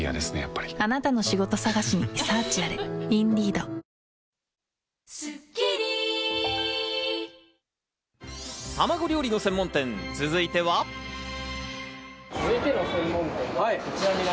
卵料理の専門店、続いては？